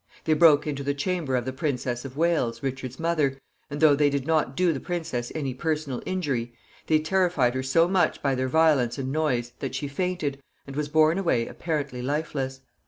They broke into the chamber of the Princess of Wales, Richard's mother, and, though they did not do the princess any personal injury, they terrified her so much by their violence and noise that she fainted, and was borne away apparently lifeless.